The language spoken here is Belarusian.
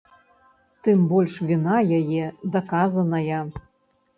Тым больш, віна яе даказаная.